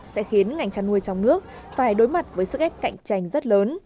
sẽ khiến ngành chăn nuôi trong nước phải đối mặt với sức ép cạnh tranh rất lớn